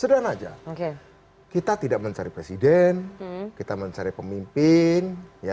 sederhana aja kita tidak mencari presiden kita mencari pemimpin